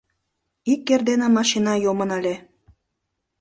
Ик эрдене машина йомын ыле.